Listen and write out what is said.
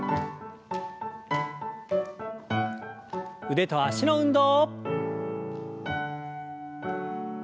腕と脚の運動。